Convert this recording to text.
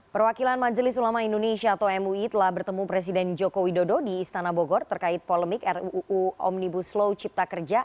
perwakilan majelis ulama indonesia atau mui telah bertemu presiden joko widodo di istana bogor terkait polemik ruu omnibus law cipta kerja